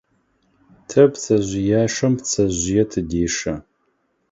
Тэ пцэжъыяшэм пцэжъые тыдешэ.